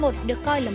rồi giỏi lắm